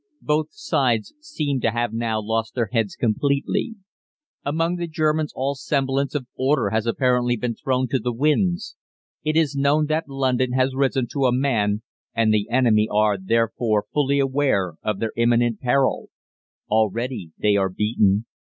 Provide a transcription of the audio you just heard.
Both sides seem to have now lost their heads completely. Among the Germans all semblance of order has apparently been thrown to the winds. It is known that London has risen to a man, and the enemy are therefore fully aware of their imminent peril. Already they are beaten.